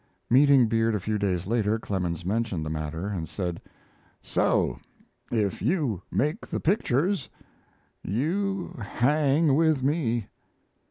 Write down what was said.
Meeting Beard a few days later, Clemens mentioned the matter and said: "So if you make the pictures, you hang with me."